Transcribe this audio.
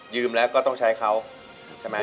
แล้วก็ต้องใช้เขาใช่ไหม